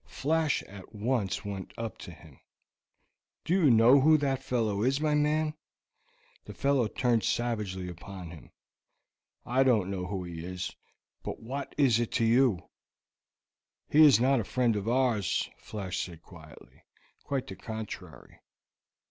Flash at once went up to him. "Do you know who that fellow is, my man?" The fellow turned savagely upon him. "I don't know who he is; but what is that to you?" "He is not a friend of ours," Flash said quietly; "quite the contrary.